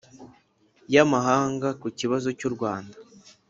y'amahanga ku kibazo cy'u rwanda.